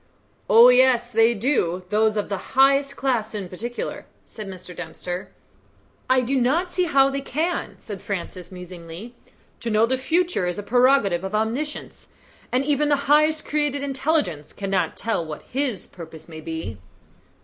"Oh, yes; they do those of the highest class in particular," said Mr. Dempster. "I do not see how they can," said Francis musingly. "To know the future is a prerogative of Omniscience, and even the highest created intelligence cannot tell what His purposes may be."